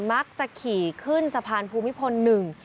มักจะขี่ขึ้นสะพานภูมิพลหนึ่ง